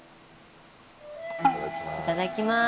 いただきます。